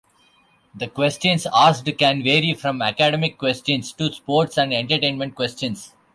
The questions asked can vary from academic questions to sports and entertainment questions.